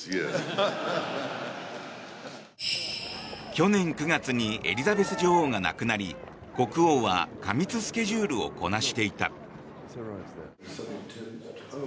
去年９月にエリザベス女王が亡くなり国王は過密スケジュールをこなしていた。